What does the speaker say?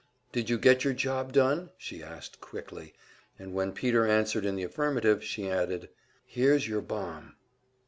"Did you get your job done?" she asked quickly, and when Peter answered in the affirmative, she added: "Here's your bomb!"